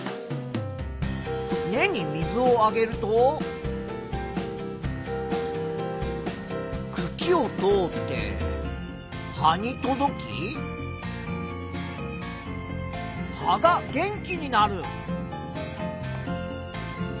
根に水をあげるとくきを通って葉に届き葉が元気になる。